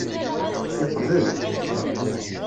Yeqbel.